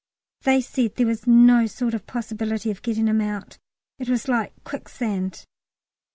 They said there was no sort of possibility of getting him out; it was like a quicksand.